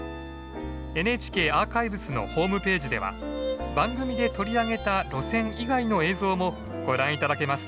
ＮＨＫアーカイブスのホームページでは番組で取り上げた路線以外の映像もご覧頂けます。